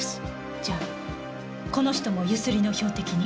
じゃあこの人も強請りの標的に？